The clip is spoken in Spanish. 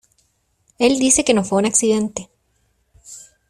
Él dice que no fue un accidente.